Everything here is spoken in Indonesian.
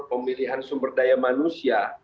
pemilihan sumber daya manusia